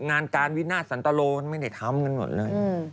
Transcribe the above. งานการวินาทสันตโลไม่ได้ทำกันหมดเลย